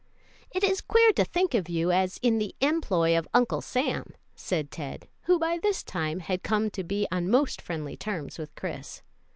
"It is queer to think of you as in the employ of 'Uncle Sam,'" said Ted, who by this time had come to be on most friendly terms with Chris.